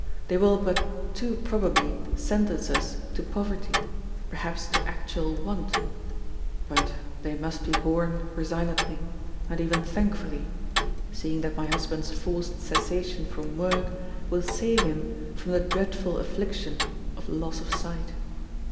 They will but too probably sentence us to poverty, perhaps to actual want; but they must be borne resignedly, and even thankfully, seeing that my husband's forced cessation from work will save him from the dreadful affliction of loss of sight.